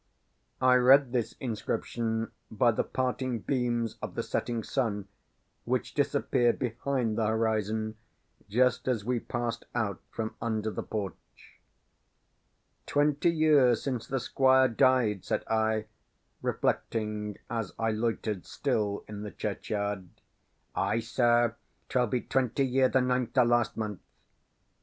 I read this inscription by the parting beams of the setting sun, which disappeared behind the horizon just as we passed out from under the porch. "Twenty years since the Squire died," said I, reflecting as I loitered still in the churchyard. "Ay, sir; 'twill be twenty year the ninth o' last month."